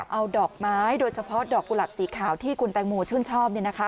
เอาดอกไม้โดยเฉพาะดอกกุหลับสีขาวที่คุณแตงโมชื่นชอบ